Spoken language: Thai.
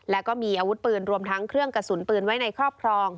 และก็มีอาวุธปืนรวมทั้งเครื่องกระสุนปืนไว้ในครอบครอง